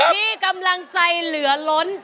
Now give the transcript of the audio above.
ที่กำลังใจเหลือล้น